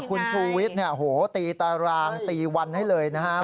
คุณชูวิทย์ตีตารางตีวันให้เลยนะฮะ